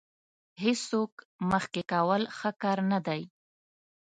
هېڅوک مخکې کول ښه کار نه دی.